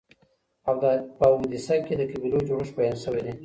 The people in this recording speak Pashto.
په اودیسه کي د قبیلو جوړښت بیان سوی دی.